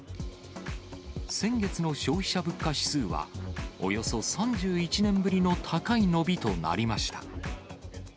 先月の消費者物価指数は、およそ３１年ぶりの高い伸びとなりました。